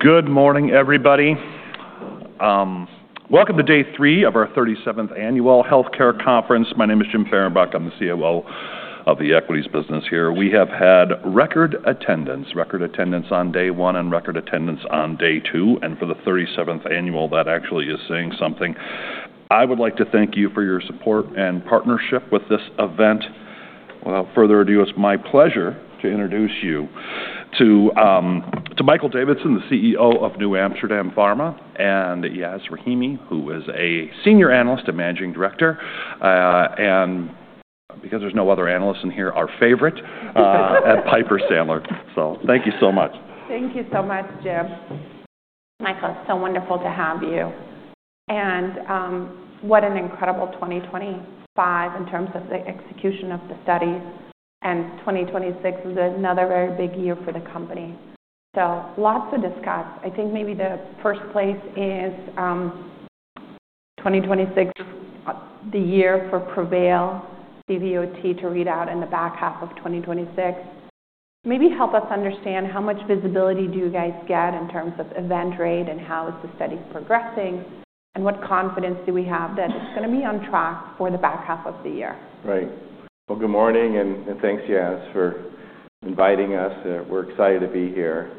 Good morning, everybody. Welcome to day three of our 37th Annual Healthcare Conference. My name is Jim Fehrenbach. I'm the COO of the equities business here. We have had record attendance, record attendance on day one, and record attendance on day two. And for the 37th annual, that actually is saying something. I would like to thank you for your support and partnership with this event. Without further ado, it's my pleasure to introduce you to Michael Davidson, the CEO of NewAmsterdam Pharma, and Yas Rahimi, who is a senior analyst and managing director. And because there's no other analysts in here, our favorite, at Piper Sandler. So thank you so much. Thank you so much, Jim. Michael, it's so wonderful to have you. And what an incredible 2025 in terms of the execution of the studies. And 2026 is another very big year for the company. So lots to discuss. I think maybe the first place is 2026 is the year for PREVAIL CVOT to read out in the back half of 2026. Maybe help us understand how much visibility do you guys get in terms of event rate and how is the study progressing, and what confidence do we have that it's going to be on track for the back half of the year? Right. Well, good morning, and thanks, Yas, for inviting us. We're excited to be here.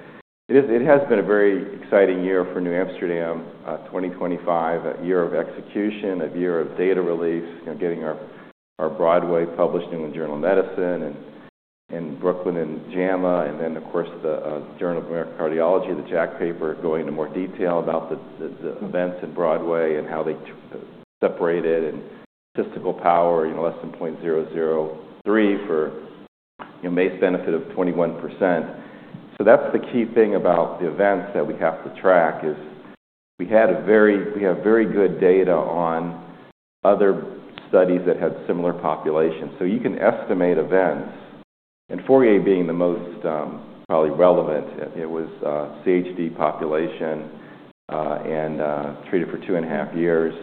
It has been a very exciting year for NewAmsterdam. 2025, a year of execution, a year of data release, getting our BROADWAY published in the New England Journal of Medicine and BROOKLYN and JAMA. And then, of course, the Journal of the American College of Cardiology, the JACC paper going into more detail about the events in BROADWAY and how they separated and statistical power, less than 0.003 for a base benefit of 21%. So that's the key thing about the events that we have to track is we have very good data on other studies that had similar populations. So you can estimate events. And FOURIER being the most probably relevant, it was CHD population and treated for two and a half years.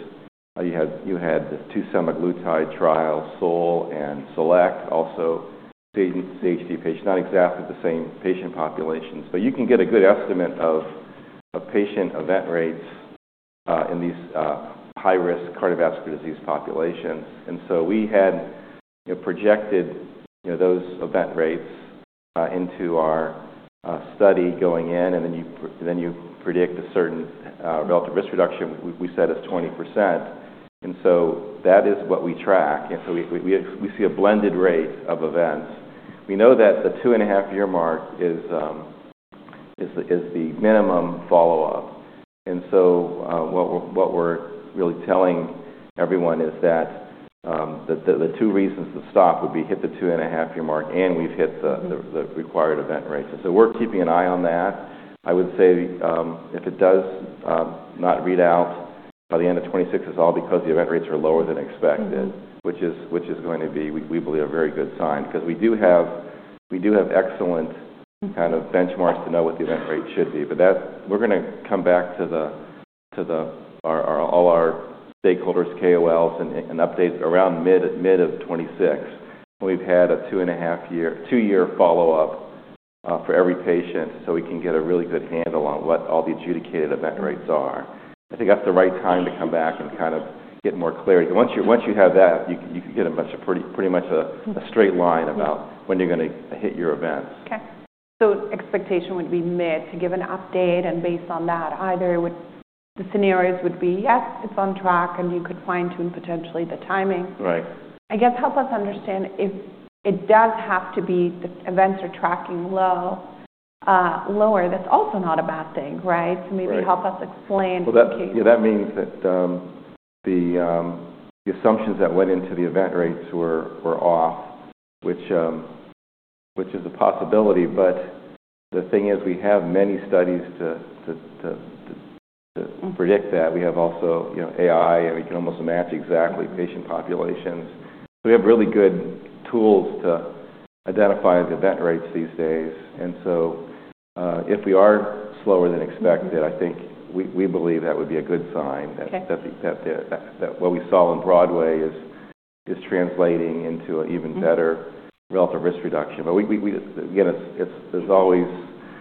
You had the two semaglutide trials, SOUL and SELECT, also CHD patients, not exactly the same patient populations, but you can get a good estimate of patient event rates in these high-risk cardiovascular disease populations, and so we had projected those event rates into our study going in, and then you predict a certain relative risk reduction, we said is 20%. And so that is what we track, and so we see a blended rate of events. We know that the two and a half year mark is the minimum follow-up, and so what we're really telling everyone is that the two reasons to stop would be hit the two and a half year mark, and we've hit the required event rates, and so we're keeping an eye on that. I would say if it does not read out by the end of 2026, it's all because the event rates are lower than expected, which is going to be, we believe, a very good sign. Because we do have excellent kind of benchmarks to know what the event rate should be. But we're going to come back to all our stakeholders, KOLs, and update around mid of 2026. We've had a two-year follow-up for every patient so we can get a really good handle on what all the adjudicated event rates are. I think that's the right time to come back and kind of get more clarity. Once you have that, you can get pretty much a straight line about when you're going to hit your events. Okay. So expectation would be mid to give an update, and based on that, either the scenarios would be, yes, it's on track, and you could fine-tune potentially the timing. Right. I guess help us understand if it does have to be the events are tracking lower, that's also not a bad thing, right? So maybe help us explain the case. Yeah, that means that the assumptions that went into the event rates were off, which is a possibility. But the thing is we have many studies to predict that. We have also AI, and we can almost match exactly patient populations. So we have really good tools to identify the event rates these days. And so if we are slower than expected, I think we believe that would be a good sign that what we saw in BROADWAY is translating into an even better relative risk reduction. But again, there's always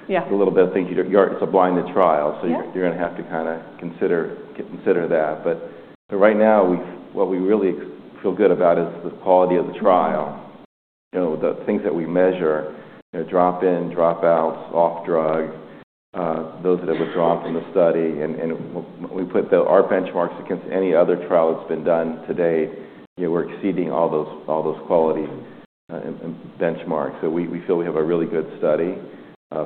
a little bit of thinking you're in a blinded trial, so you're going to have to kind of consider that. But right now, what we really feel good about is the quality of the trial. The things that we measure, drop-in, drop-outs, off-drug, those that have withdrawn from the study. We put our benchmarks against any other trial that's been done today. We're exceeding all those quality benchmarks. We feel we have a really good study,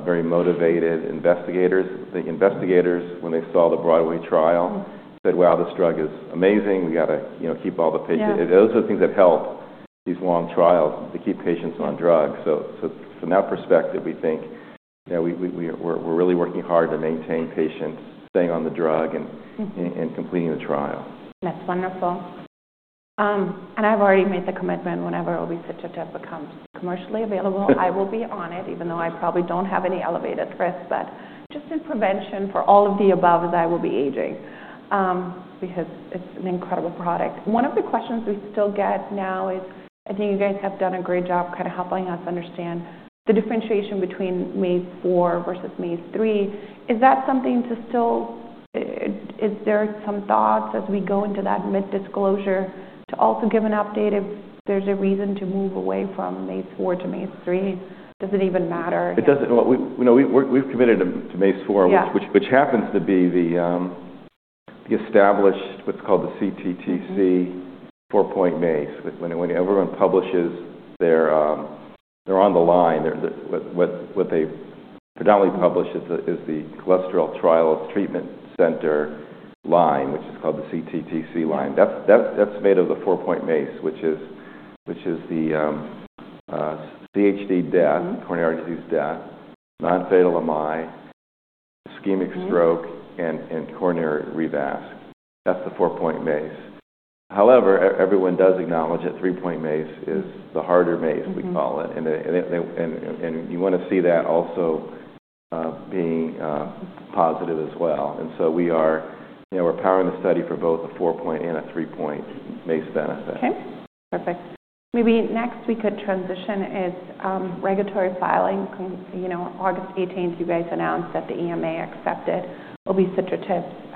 very motivated investigators. The investigators, when they saw the BROADWAY trial, said, "Wow, this drug is amazing. We got to keep all the patients." Those are the things that help these long trials to keep patients on drugs. From that perspective, we think we're really working hard to maintain patients staying on the drug and completing the trial. That's wonderful, and I've already made the commitment whenever obicetrapib becomes commercially available, I will be on it, even though I probably don't have any elevated risk, but just in prevention for all of the above, as I will be aging because it's an incredible product. One of the questions we still get now is, I think you guys have done a great job kind of helping us understand the differentiation between MACE 4 versus MACE 3. Is that something still? Is there some thoughts as we go into that mid-disclosure to also give an update if there's a reason to move away from MACE 4 to MACE 3? Does it even matter? It doesn't. We've committed to MACE 4, which happens to be the established, what's called the CTTC 4-point MACE. When everyone publishes their endpoint, what they predominantly publish is the Cholesterol Treatment Trialists’ Collaboration line, which is called the CTTC line. That's made of the 4-point MACE, which is the CHD death, coronary artery disease death, non-fatal MI, ischemic stroke, and coronary revasc. That's the 4-point MACE. However, everyone does acknowledge that 3-point MACE is the harder MACE we call it, and you want to see that also being positive as well, and so we are powering the study for both a 4-point and a 3-point MACE benefit. Okay. Perfect. Maybe next we could transition is regulatory filing. August 18th, you guys announced that the EMA accepted obicetrapib's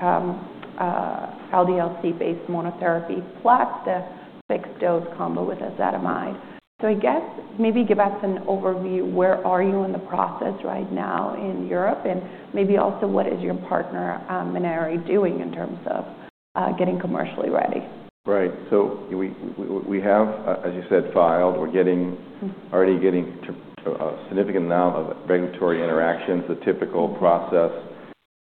LDL-C-based monotherapy plus the fixed-dose combo with ezetimibe. So I guess maybe give us an overview, where are you in the process right now in Europe? And maybe also what is your partner, Menarini, doing in terms of getting commercially ready? Right, so we have, as you said, filed. We're already getting a significant amount of regulatory interactions. The typical process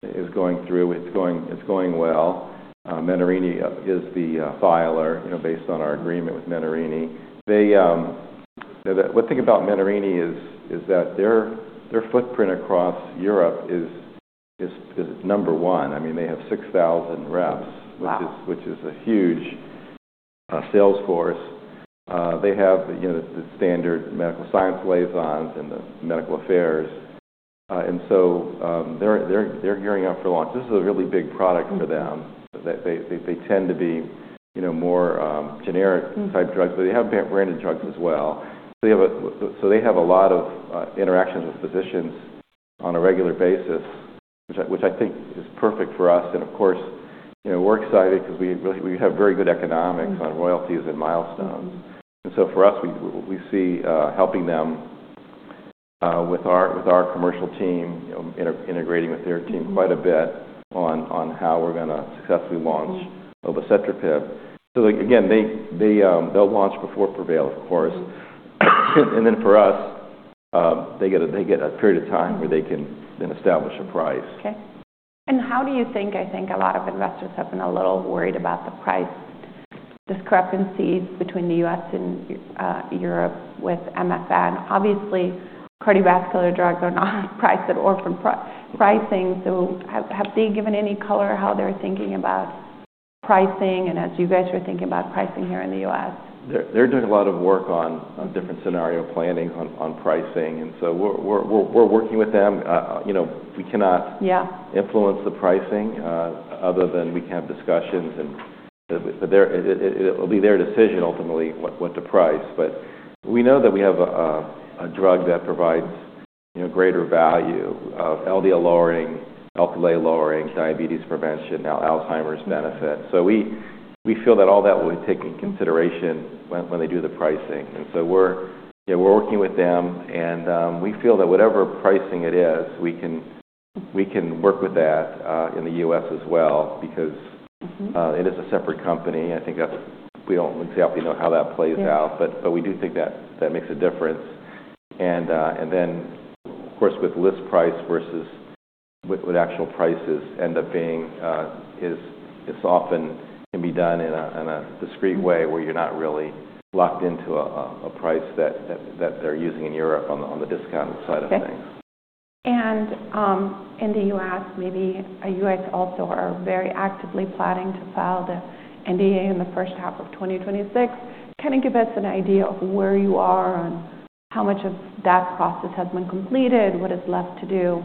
is going through. It's going well. Menarini is the filer based on our agreement with Menarini. What I think about Menarini is that their footprint across Europe is number one. I mean, they have 6,000 reps, which is a huge sales force. They have the standard medical science liaisons and the medical affairs, and so they're gearing up for launch. This is a really big product for them. They tend to be more generic-type drugs, but they have branded drugs as well, so they have a lot of interactions with physicians on a regular basis, which I think is perfect for us, and of course, we're excited because we have very good economics on royalties and milestones. And so for us, we see helping them with our commercial team, integrating with their team quite a bit on how we're going to successfully launch obicetrapib. So again, they'll launch before PREVAIL, of course. And then for us, they get a period of time where they can then establish a price. Okay. And how do you think, I think a lot of investors have been a little worried about the price discrepancies between the U.S. and Europe with Menarini? Obviously, cardiovascular drugs are not priced at Orphan Pricing. So have they given any color how they're thinking about pricing and as you guys are thinking about pricing here in the U.S.? They're doing a lot of work on different scenario planning on pricing. And so we're working with them. We cannot influence the pricing other than we can have discussions. But it'll be their decision ultimately what to price. But we know that we have a drug that provides greater value of LDL lowering, Lp(a) lowering, diabetes prevention, now Alzheimer's benefit. So we feel that all that will be taken into consideration when they do the pricing. And so we're working with them. And we feel that whatever pricing it is, we can work with that in the U.S. as well because it is a separate company. I think we don't exactly know how that plays out, but we do think that makes a difference. And then, of course, with list price versus what actual prices end up being, it often can be done in a discreet way where you're not really locked into a price that they're using in Europe on the discount side of things. In the U.S., maybe you guys also are very actively planning to file the NDA in the first half of 2026. Kind of give us an idea of where you are and how much of that process has been completed, what is left to do?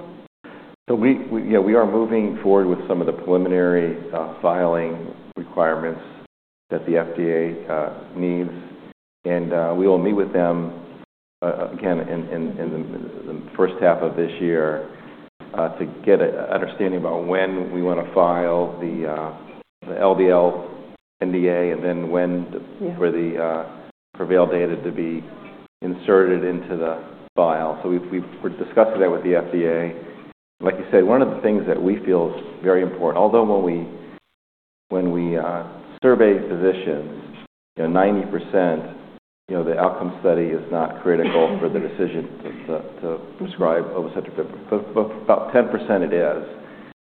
So yeah, we are moving forward with some of the preliminary filing requirements that the FDA needs. And we will meet with them again in the first half of this year to get an understanding about when we want to file the LDL NDA and then when for the PREVAIL data to be inserted into the file. So we're discussing that with the FDA. Like you said, one of the things that we feel is very important, although when we survey physicians, 90%, the outcome study is not critical for the decision to prescribe obicetrapib. About 10% it is.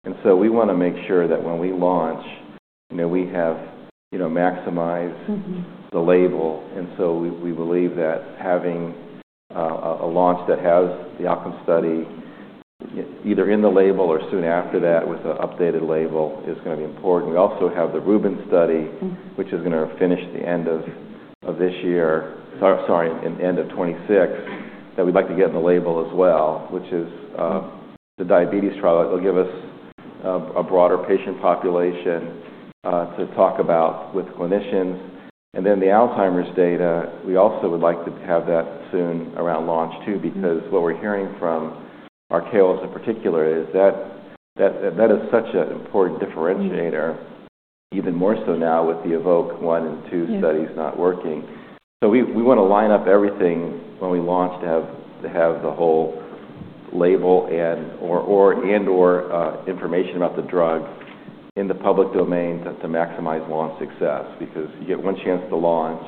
And so we want to make sure that when we launch, we have maximized the label. And so we believe that having a launch that has the outcome study either in the label or soon after that with an updated label is going to be important. We also have the Rubin study, which is going to finish the end of this year, sorry, end of 2026, that we'd like to get in the label as well, which is the diabetes trial. It'll give us a broader patient population to talk about with clinicians. And then the Alzheimer's data, we also would like to have that soon around launch too because what we're hearing from our KOLs in particular is that that is such an important differentiator, even more so now with the EVOKE-1 and 2 studies not working. So we want to line up everything when we launch to have the whole label and/or information about the drug in the public domain to maximize launch success because you get one chance to launch.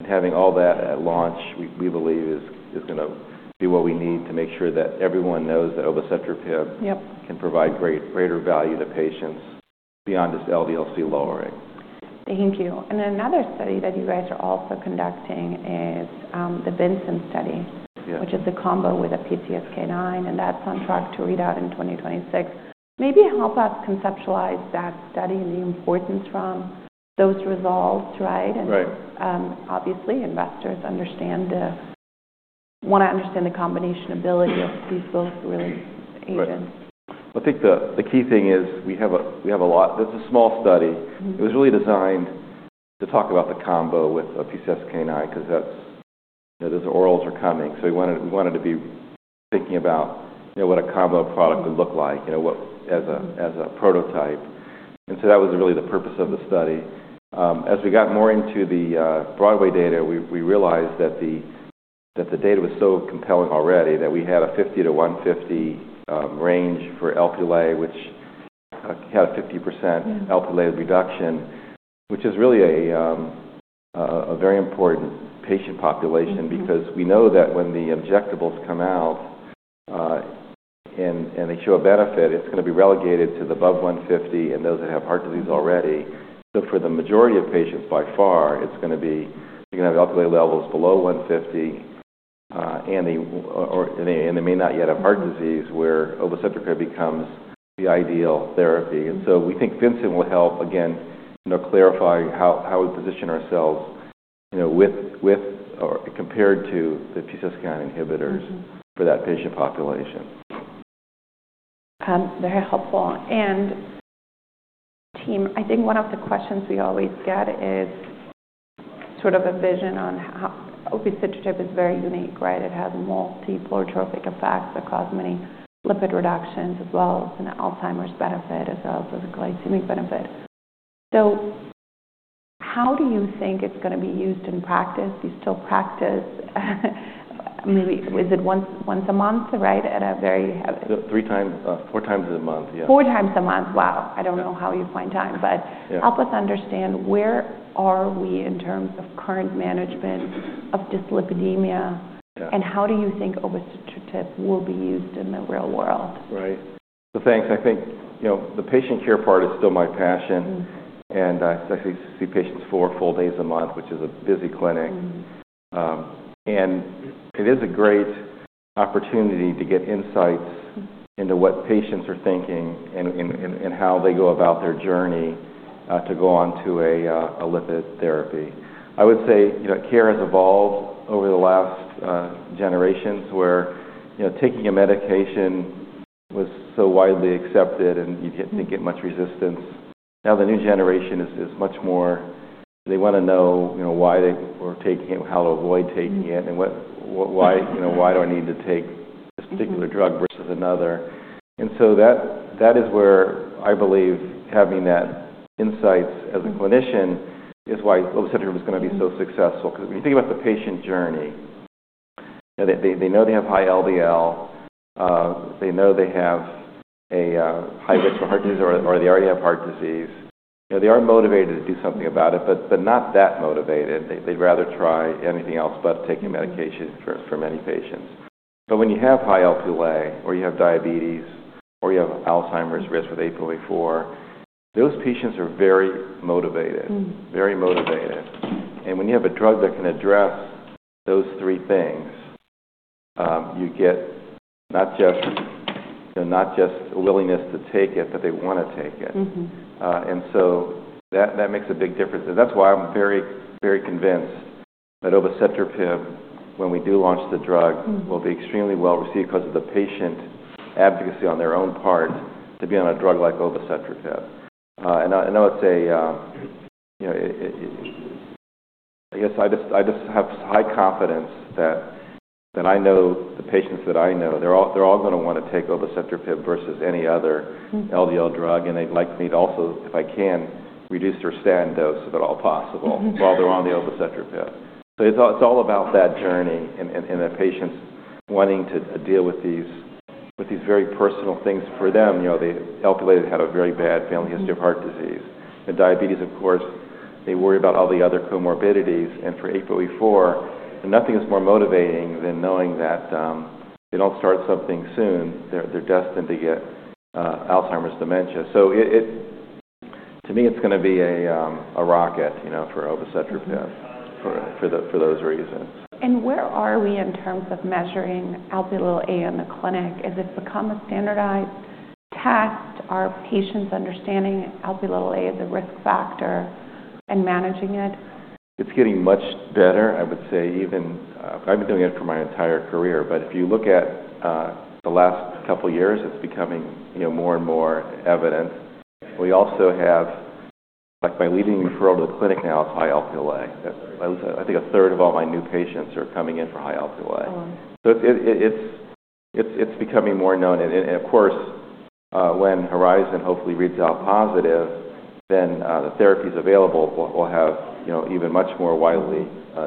And having all that at launch, we believe, is going to be what we need to make sure that everyone knows that obicetrapib can provide greater value to patients beyond just LDL-C lowering. Thank you, and another study that you guys are also conducting is the TANDEM study, which is the combo with a PCSK9, and that's on track to read out in 2026. Maybe help us conceptualize that study and the importance from those results, right, and obviously, investors want to understand the combination ability of these both really agents. Right. Well, I think the key thing is we have a lot. It's a small study. It was really designed to talk about the combo with a PCSK9 because those orals are coming. So we wanted to be thinking about what a combo product would look like as a prototype. And so that was really the purpose of the study. As we got more into the BROADWAY data, we realized that the data was so compelling already that we had a 50-150 range for Lp(a), which had a 50% Lp(a) reduction, which is really a very important patient population because we know that when the injectables come out and they show a benefit, it's going to be relegated to the above 150 and those that have heart disease already. So for the majority of patients, by far, it's going to be you're going to have Lp(a) levels below 150, and they may not yet have heart disease where obicetrapib becomes the ideal therapy. And so we think BROADWAY will help, again, clarify how we position ourselves compared to the PCSK9 inhibitors for that patient population. Very helpful, and team, I think one of the questions we always get is sort of a vision on how obicetrapib is very unique, right? It has multiple trophic effects that cause many lipid reductions as well as an Alzheimer's benefit as well as a glycemic benefit, so how do you think it's going to be used in practice? Do you still practice? Is it once a month, right, at a very? Three times, four times a month, yeah. Four times a month. Wow. I don't know how you find time. But help us understand where are we in terms of current management of dyslipidemia, and how do you think obicetrapib will be used in the real world? Right. So thanks. I think the patient care part is still my passion, and I see patients four full days a month, which is a busy clinic, and it is a great opportunity to get insights into what patients are thinking and how they go about their journey to go on to a lipid therapy. I would say care has evolved over the last generations where taking a medication was so widely accepted and you didn't get much resistance. Now the new generation is much more, they want to know why they were taking it, how to avoid taking it, and why do I need to take this particular drug versus another, and so that is where I believe having that insights as a clinician is why obicetrapib is going to be so successful. Because when you think about the patient journey, they know they have high LDL. They know they have a high risk for heart disease or they already have heart disease. They are motivated to do something about it, but not that motivated. They'd rather try anything else but taking medication for many patients. But when you have high Lp(a) or you have diabetes or you have Alzheimer's risk with ApoE4, those patients are very motivated, very motivated. And when you have a drug that can address those three things, you get not just a willingness to take it, but they want to take it. And so that makes a big difference. And that's why I'm very, very convinced that obicetrapib, when we do launch the drug, will be extremely well received because of the patient advocacy on their own part to be on a drug like obicetrapib. I know it's a. I guess I just have high confidence that I know the patients that I know. They're all going to want to take obicetrapib versus any other LDL drug. They'd like me to also, if I can, reduce their statin dose if at all possible while they're on the obicetrapib. It's all about that journey and the patients wanting to deal with these very personal things for them. The Lp(a) had a very bad family history of heart disease. The diabetes, of course, they worry about all the other comorbidities. For ApoE4, nothing is more motivating than knowing that if they don't start something soon, they're destined to get Alzheimer's dementia. To me, it's going to be a rocket for obicetrapib for those reasons. Where are we in terms of measuring Lp(a) in the clinic? Has it become a standardized test? Are patients understanding Lp(a) as a risk factor and managing it? It's getting much better, I would say, even if I've been doing it for my entire career. But if you look at the last couple of years, it's becoming more and more evident. We also have, by leading referral to the clinic now, it's high Lp(a). I think a third of all my new patients are coming in for high Lp(a). So it's becoming more known. And of course, when HORIZON hopefully reads out positive, then the therapies available will have even much more widely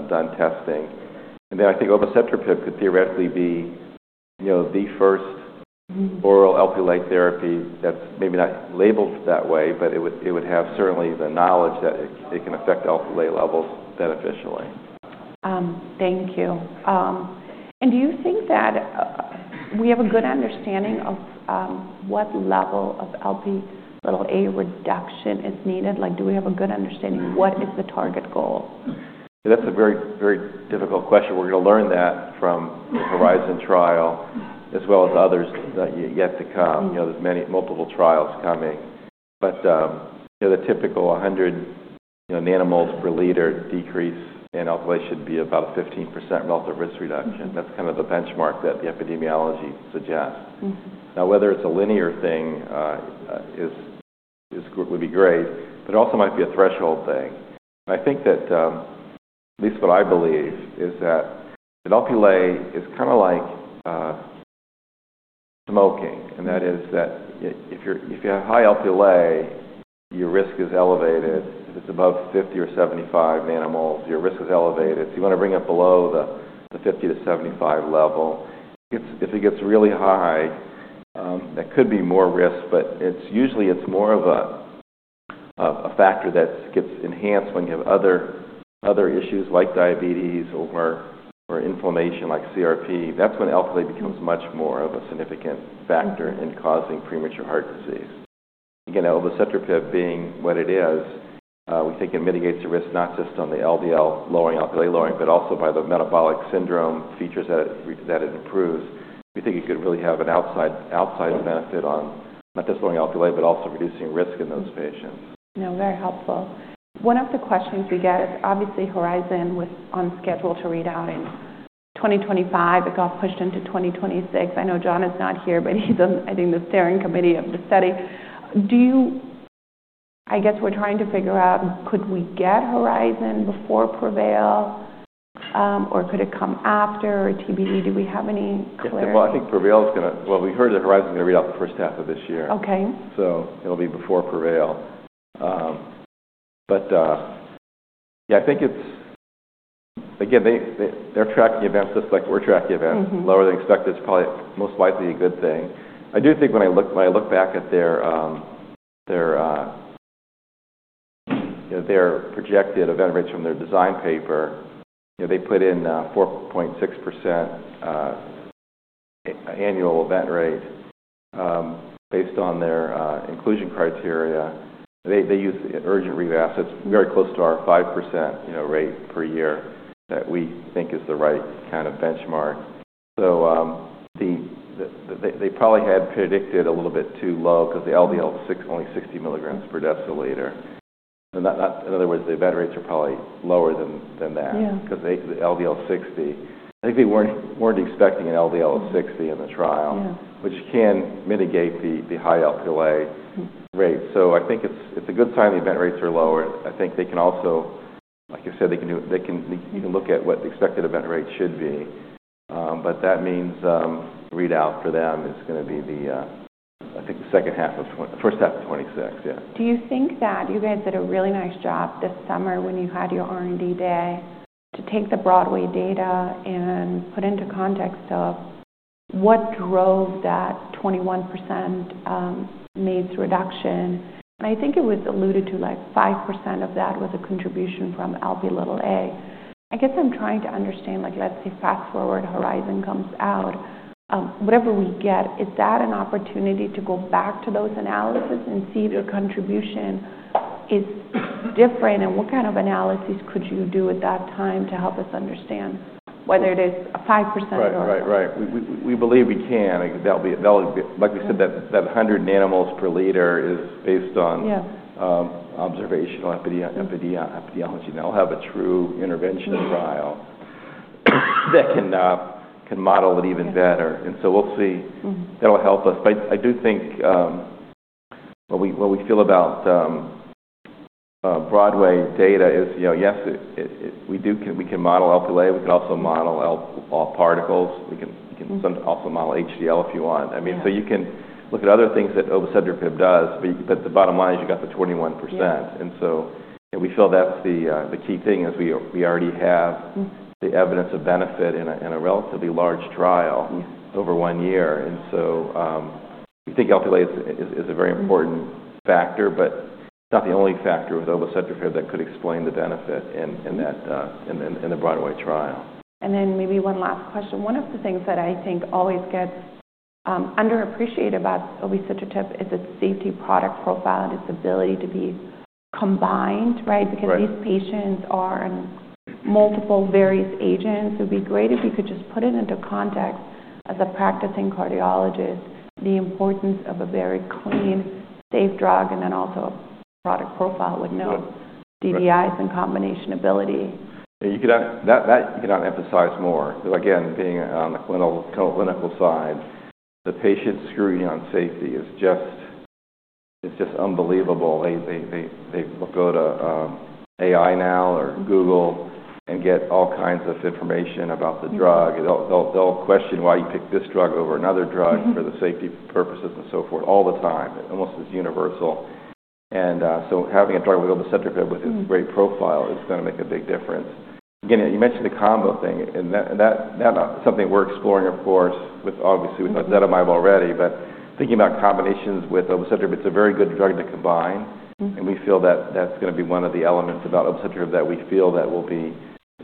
done testing. And then I think obicetrapib could theoretically be the first oral Lp(a) therapy that's maybe not labeled that way, but it would have certainly the knowledge that it can affect Lp(a) levels beneficially. Thank you. And do you think that we have a good understanding of what level of Lp(a) reduction is needed? Do we have a good understanding of what is the target goal? That's a very, very difficult question. We're going to learn that from the HORIZON trial as well as others that yet to come. There's multiple trials coming. But the typical 100 nanomoles per liter decrease in Lp(a) should be about a 15% relative risk reduction. That's kind of the benchmark that the epidemiology suggests. Now, whether it's a linear thing would be great, but it also might be a threshold thing. I think that, at least what I believe, is that Lp(a) is kind of like smoking. And that is that if you have high Lp(a), your risk is elevated. If it's above 50 or 75 nanomoles, your risk is elevated. So you want to bring it below the 50-75 level. If it gets really high, that could be more risk, but usually it's more of a factor that gets enhanced when you have other issues like diabetes or inflammation like CRP. That's when Lp(a) becomes much more of a significant factor in causing premature heart disease. Again, obicetrapib being what it is, we think it mitigates the risk not just on the Lp(a) lowering, but also by the metabolic syndrome features that it improves. We think it could really have an outside benefit on not just lowering Lp(a) but also reducing risk in those patients. Very helpful. One of the questions we get is obviously HORIZON was on schedule to read out in 2025. It got pushed into 2026. I know John is not here, but he's in the steering committee of the study. I guess we're trying to figure out, could we get HORIZON before PREVAIL, or could it come after? TBD, do we have any clear answer? I think PREVAIL is going to. Well, we heard that HORIZON is going to read out the first half of this year. So it'll be before PREVAIL. But yeah, I think it's, again, they're tracking events just like we're tracking events. Lower than expected is probably most likely a good thing. I do think when I look back at their projected event rates from their design paper, they put in 4.6% annual event rate based on their inclusion criteria. They use urgent revascularization, very close to our 5% rate per year that we think is the right kind of benchmark. So they probably had predicted a little bit too low because the LDL is only 60 mg per deciliter. In other words, the event rates are probably lower than that because the LDL is 60. I think they weren't expecting an LDL of 60 in the trial, which can mitigate the high Lp(a) rate. So I think it's a good sign the event rates are lower. I think they can also, like I said, they can look at what the expected event rate should be. But that means read out for them is going to be, I think, the second half of the first half of 2026, yeah. Do you think that you guys did a really nice job this summer when you had your R&D day to take the BROADWAY data and put into context of what drove that 21% MACE reduction? And I think it was alluded to like 5% of that was a contribution from Lp(a) I guess I'm trying to understand, let's say fast forward, HORIZON comes out, whatever we get, is that an opportunity to go back to those analyses and see if your contribution is different? And what kind of analysis could you do at that time to help us understand whether it is a 5% or? Right, right, right. We believe we can. Like we said, that 100 nanomoles per liter is based on observational epidemiology. Now we'll have a true intervention trial that can model it even better. And so we'll see. That'll help us. But I do think what we feel about BROADWAY data is, yes, we can model Lp(a); we can also model Lp(a) particles. We can also model HDL if you want. I mean, so you can look at other things that obicetrapib does, but the bottom line is you got the 21%. And so we feel that's the key thing is we already have the evidence of benefit in a relatively large trial over one year. And so we think Lp(a) is a very important factor, but it's not the only factor with obicetrapib that could explain the benefit in the BROADWAY trial. Then maybe one last question. One of the things that I think always gets underappreciated about obicetrapib is its safety product profile and its ability to be combined, right? Because these patients are multiple various agents. It would be great if you could just put it into context as a practicing cardiologist, the importance of a very clean, safe drug, and then also a product profile with no DDIs and combination ability. You could not emphasize more. Again, being on the clinical side, the patient scrutiny on safety is just unbelievable. They go to AI now or Google and get all kinds of information about the drug. They will question why you picked this drug over another drug for the safety purposes and so forth all the time. It almost is universal, and so having a drug with obicetrapib with its great profile is going to make a big difference. Again, you mentioned the combo thing, and that is something we are exploring, of course, obviously with ezetimibe already. But thinking about combinations with obicetrapib, it is a very good drug to combine. We feel that that's going to be one of the elements about obicetrapib that we feel that will be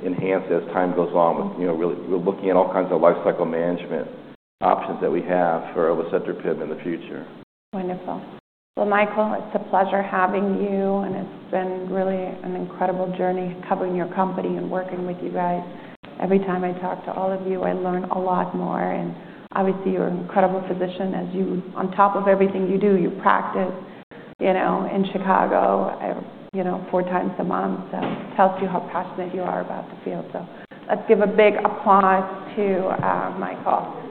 enhanced as time goes on with really looking at all kinds of life cycle management options that we have for obicetrapib in the future. Wonderful. Well, Michael, it's a pleasure having you. And it's been really an incredible journey covering your company and working with you guys. Every time I talk to all of you, I learn a lot more. And obviously, you're an incredible physician. On top of everything you do, you practice in Chicago four times a month. So it tells you how passionate you are about the field. So let's give a big applause to Michael.